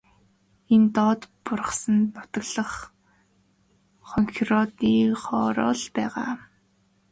Энэ доод бургасанд нутаглах хонхироодынхоор л байгаа биз.